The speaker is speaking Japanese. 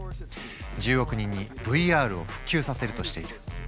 １０億人にＶＲを普及させるとしている。